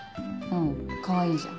うんかわいいじゃん。